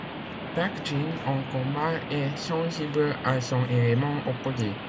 Chaque Djinn, en combat, est sensible à son élément opposé.